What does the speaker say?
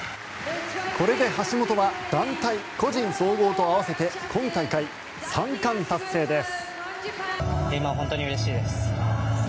これで橋本は団体・個人総合と合わせて今大会３冠達成です。